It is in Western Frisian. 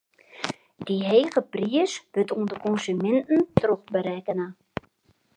Dy hege priis wurdt oan de konsuminten trochberekkene.